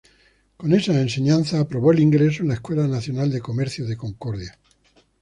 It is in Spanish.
Con esas enseñanzas aprobó el ingreso en la Escuela Nacional de Comercio de Concordia.